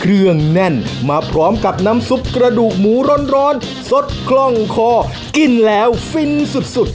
เครื่องแน่นมาพร้อมกับน้ำซุปกระดูกหมูร้อนสดคล่องคอกินแล้วฟินสุดสุด